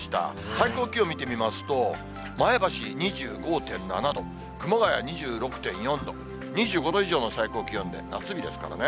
最高気温見てみますと、前橋２５．７度、熊谷２６．４度、２５度以上の最高気温で、夏日ですからね。